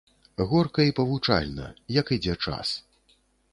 Горка і павучальна, як ідзе час.